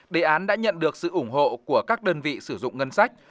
đề án đã nhận được sự ủng hộ của các đơn vị sử dụng ngân sách